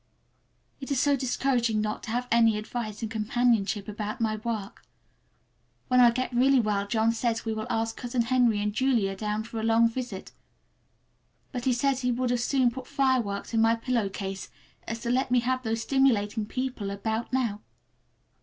It is so discouraging not to have any advice and companionship about my work. When I get really well John says we will ask Cousin Henry and Julia down for a long visit; but he says he would as soon put fire works in my pillow case as to let me have those stimulating people about now.